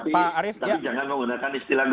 pak arief tapi jangan menggunakan istilah